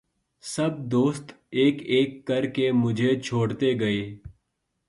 سب دوست ایک ایک کرکے مُجھے چھوڑتے گئے